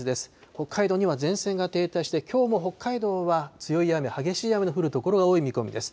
北海道には前線が停滞して、きょうも北海道は強い雨、激しい雨の降る所が多い見込みです。